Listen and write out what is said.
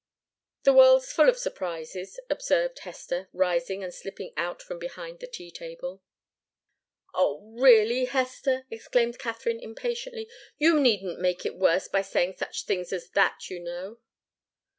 "The world's full of surprises," observed Hester, rising and slipping out from behind the tea table. "Oh really, Hester!" exclaimed Katharine, impatiently. "You needn't make it worse by saying such things as that, you know!"